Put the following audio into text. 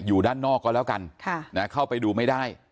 อยู่ด้านนอกก็แล้วกันเข้าไปดูไม่ได้